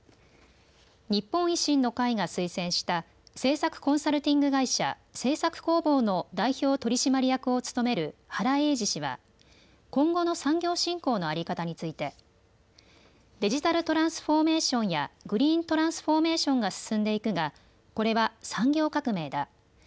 日本維新の会が推薦した政策コンサルティング会社、政策工房の代表取締役を務める原英史氏は今後の産業振興の在り方についてデジタルトランスフォーメーションやグリーントランスフォーメーションが進んでいくがこれは産業革命だ。